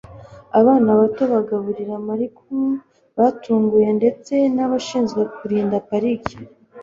Abana bato bagaburira marcoun batunguye ndetse nabashinzwe kurinda parike.